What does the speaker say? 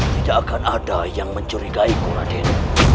tidak akan ada yang mencurigaiku raden